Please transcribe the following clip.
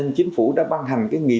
nghị định bốn mươi một